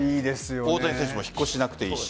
大谷選手も引っ越ししなくていいし。